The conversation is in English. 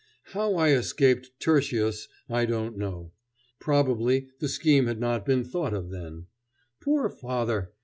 How I escaped Tertius I don't know. Probably the scheme had not been thought of then. Poor father!